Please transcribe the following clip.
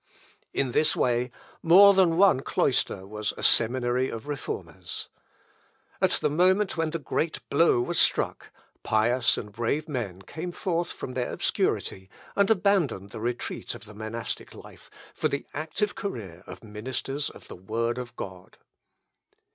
In this way, more than one cloister was a seminary of reformers. At the moment when the great blow was struck, pious and brave men came forth from their obscurity, and abandoned the retreat of the monastic life, for the active career of ministers of the word of God.